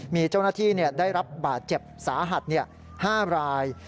มีเจ้าหน้าที่ได้รับบาดเจ็บสาหัส๕ราย